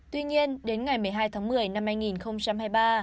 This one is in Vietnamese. tuy nhiên đến ngày một mươi hai tháng một mươi năm hai nghìn hai mươi ba